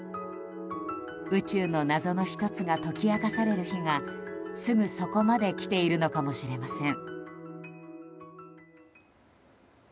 宇宙の謎の１つが解き明かされる日がすぐそこまで来ているのかもしれません。